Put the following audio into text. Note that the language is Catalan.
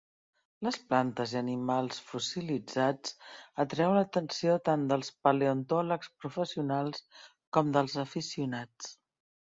Les plantes i animals fossilitzats atreuen l'atenció tant dels paleontòlegs professionals com dels aficionats.